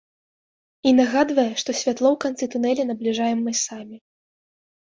І нагадвае, што святло ў канцы тунэля набліжаем мы самі.